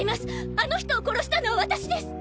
あの人を殺したのは私です！